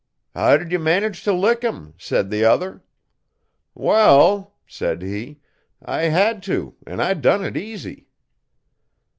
"How did ye manage to lick him?" said the other. '"Wall," said he, "I hed to, an' I done it easy."